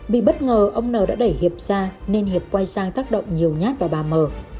bị bất ngờ ông n đã đẩy hiệp ra nên hiệp quay sang tác động nhiều nhát vào bà mờ